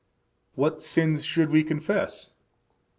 What sins should we confess?